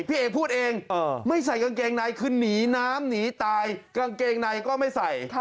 พี่เอกพูดเองไม่ใส่กางเกงในคือหนีน้ำหนีตายกางเกงในก็ไม่ใส่